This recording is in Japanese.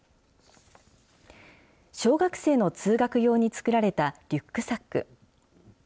小学生の通学用に作られたリュックサック。